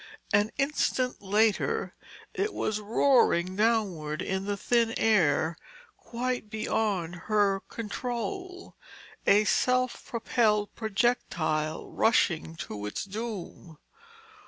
An instant later it was roaring downward in the thin air, quite beyond her control, a self propelled projectile rushing to its doom.